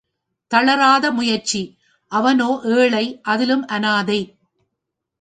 தளராத முயற்சி அவனோ ஏழை அதிலும் அனாதை.